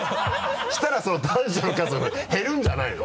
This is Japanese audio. そうしたらその短所の数も減るんじゃないの？